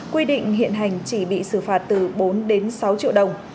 quy định hiện hành chỉ bị xử phạt từ bốn đến sáu triệu đồng